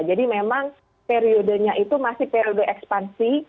jadi memang periodenya itu masih periode ekspansi